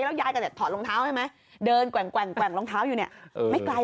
แล้วยายก็จะถอดรองเท้าใช่ไหมเดินแกว่งรองเท้าอยู่เนี่ยไม่ไกล